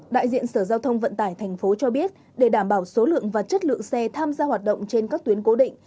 đại diện sở giao thông vận tải tp cho biết để đảm bảo số lượng và chất lượng xe tham gia hoạt động trên các tuyến cố định